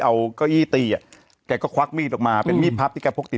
ยังไงยังไงยังไงยังไง